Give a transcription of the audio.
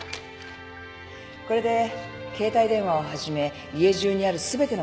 これで携帯電話をはじめ家中にある全てのものを押収できる。